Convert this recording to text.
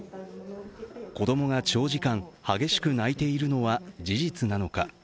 子供が長時間、激しく泣いているのは事実なのか。